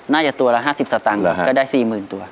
ตัวละ๕๐สตางค์ก็ได้๔๐๐๐ตัว